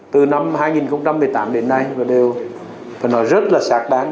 từ năm hai nghìn một mươi tám đến nay phải nói rất là sạc đáng